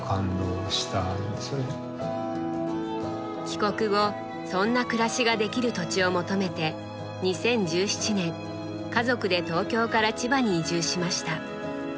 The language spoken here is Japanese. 帰国後そんな暮らしができる土地を求めて２０１７年家族で東京から千葉に移住しました。